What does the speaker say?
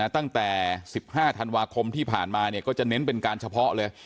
ตั้งแต่๑๕ธันวาคมที่ผ่านมาก็จะเน้นเป็นการเฉพาะเลย